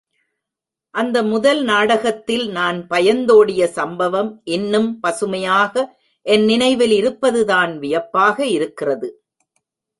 அந்த முதல் நாடகத்தில் நான் பயந்தோடிய சம்பவம் இன்னும் பசுமையாக என் நினைவில் இருப்பதுதான் வியப்பாக இருக்கிறது.